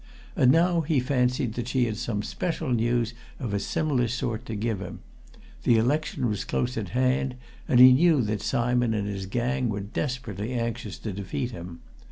And now he fancied that she had some special news of a similar sort to give him: the election was close at hand, and he knew that Simon and his gang were desperately anxious to defeat him.